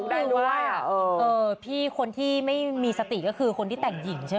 แต่ว่าดีขึ้นเพราะว่าจริงแล้วอ่ะมันต้องแต่งหญิงด้วย